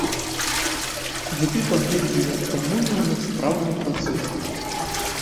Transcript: Ды ты паглядзі, як камуна ў нас спраўна працуе.